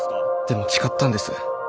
でも誓ったんです。